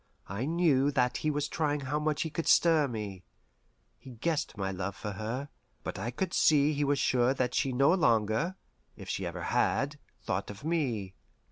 I knew that he was trying how much he could stir me. He guessed my love for her, but I could see he was sure that she no longer if she ever had thought of me.